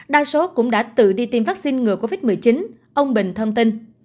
đa số cũng đã tự đi tiêm vaccine ngừa covid một mươi chín ông bình thông tin